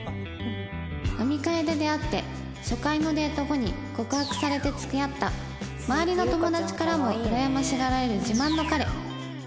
飲み会で出会って初回のデート後に告白されて付き合った周りの友達からもうらやましがられる自慢の彼